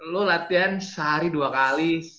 lo latihan sehari dua kali